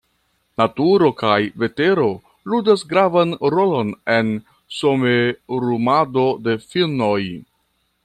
Naturo kaj vetero ludas gravan rolon en somerumado de finnoj.